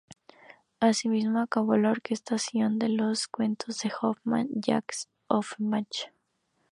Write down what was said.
Asimismo acabó la orquestación de "Los cuentos de Hoffmann", de Jacques Offenbach.